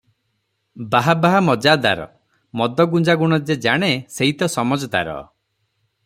‘ବାହାବା ମଜାଦାର! ମଦ ଗଞ୍ଜା ଗୁଣ ଯେ ଜାଣେ ସେଇ ତ ସମଜଦାର ।